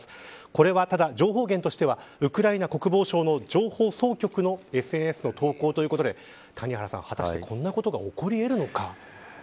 これは、ただ情報源としてはウクライナ国防省の情報総局のＳＮＳの投稿ということで果たしてこんなことが起こり得るのか。